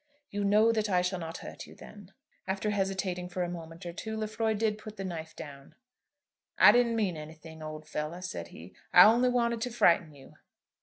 You know that I shall not hurt you then." After hesitating for a moment or two, Lefroy did put the knife down. "I didn't mean anything, old fellow," said he. "I only wanted to frighten you."